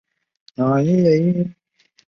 该物种的模式产地在太平洋。